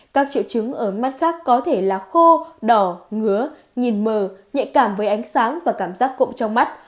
các triệu chứng ở mắt khác có thể là khô đỏ ngứa nhìn mờ nhạy cảm với ánh sáng và cảm giác cụm trong mắt